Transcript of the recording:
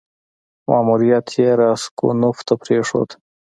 ماموریت یې راسګونوف ته پرېښود.